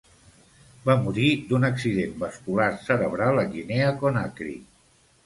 Va morir d'un accident vascular cerebral a Guinea Conakry.